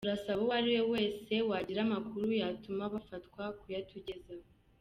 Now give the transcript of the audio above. Turasaba uwo ari we wese wagira amakuru yatuma bafatwa kuyatugezaho.”